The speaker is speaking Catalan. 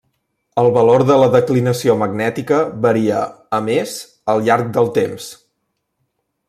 El valor de la declinació magnètica varia, a més, al llarg del temps.